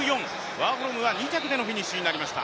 ワーホルムは２着でのフィニッシュとなりました